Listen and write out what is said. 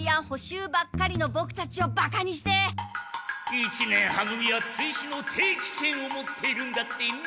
一年は組は追試の定期券を持っているんだってね。